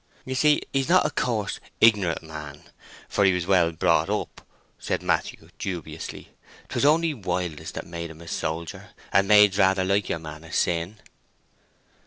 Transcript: "You see, he's not a coarse, ignorant man, for he was well brought up," said Matthew, dubiously. "'Twas only wildness that made him a soldier, and maids rather like your man of sin."